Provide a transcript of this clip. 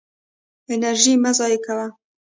انرژي مه ضایع کوه.